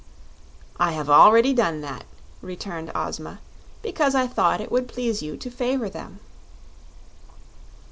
"I have already done that," returned Ozma, "because I thought it would please you to favor them."